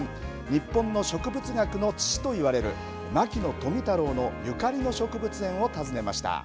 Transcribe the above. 日本の植物学の父といわれる、牧野富太郎のゆかりの植物園を訪ねました。